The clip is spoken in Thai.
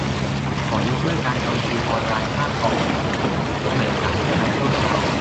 ขอยกเลิกการจองคิวออนไลน์ข้ามเกาะแสมสารเป็นการชั่วคราว